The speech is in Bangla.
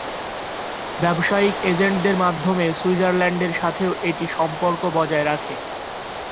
ব্যবসায়িক এজেন্টদের মাধ্যমে সুইজারল্যান্ডের সাথেও এটি সম্পর্ক বজায় রাখে।